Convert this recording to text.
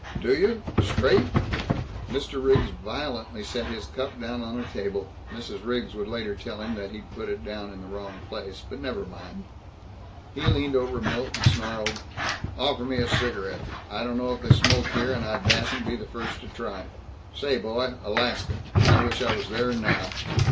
"Do you? Straight?" Mr. Riggs violently set his cup down on a table Mrs. Riggs would later tell him that he'd put it down in the wrong place, but never mind. He leaned over Milt and snarled, "Offer me a cigarette. I don't know if they smoke here, and I dassn't be the first to try. Say, boy, Alaska I wish I was there now!